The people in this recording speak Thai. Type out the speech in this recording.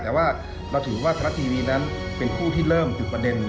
แต่ว่าเราถือว่าไทยรัฐทีวีนั้นเป็นผู้ที่เริ่มจุดประเด็น